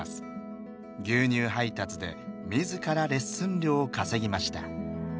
牛乳配達で自らレッスン料を稼ぎました。